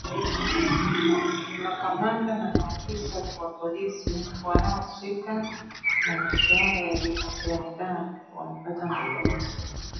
Makamanda na maasfisa wa polisi wanaohusika na maswala ya nidhamu wamepata mafunzo